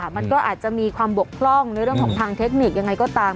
มันก็อาจจะมีความบกพร่องในเรื่องของทางเทคนิคยังไงก็ตาม